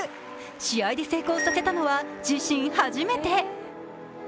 試合で成功させたのは自身初めて。